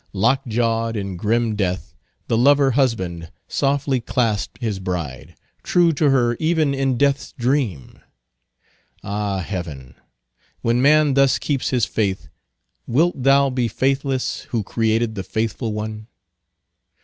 Lock jawed in grim death, the lover husband softly clasped his bride, true to her even in death's dream. Ah, heaven, when man thus keeps his faith, wilt thou be faithless who created the faithful one?